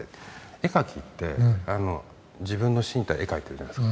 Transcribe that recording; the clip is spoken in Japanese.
絵描きって自分の身体で絵を描いてるじゃないですか。